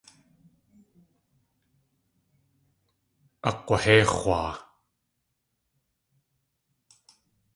Akg̲wahéix̲waa.